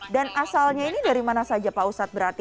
dan asalnya ini dari mana saja pak ustadz berarti